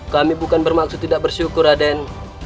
kami bukan bermaksud tidak bersyukur raden